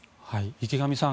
池上さん